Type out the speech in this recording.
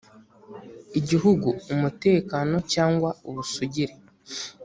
igihugu umutekano cyangwa ubusugire